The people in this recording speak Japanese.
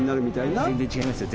全然違いますよ。